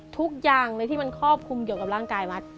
ทุกอย่างเลยที่มันครอบคลุมเกี่ยวกับร่างกายมัด